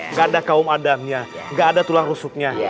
nggak ada kaum adamnya nggak ada tulang rusuknya